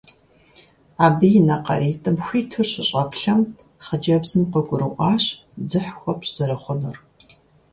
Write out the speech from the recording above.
Абы и нэ къаритӀым хуиту щыщӀэплъэм, хъыджэбзым къыгурыӀуащ дзыхь хуэпщӀ зэрыхъунур.